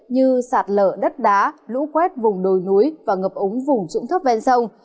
như sả lở đất đá lũ quét vùng đồi núi và ngập ống vùng trụng thấp ven sông